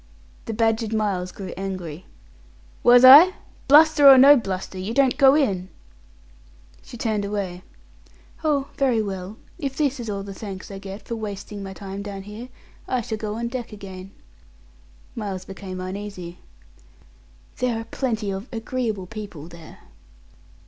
The badgered Miles grew angry. "Was I? Bluster or no bluster, you don't go in." She turned away. "Oh, very well. If this is all the thanks I get for wasting my time down here, I shall go on deck again." Miles became uneasy. "There are plenty of agreeable people there."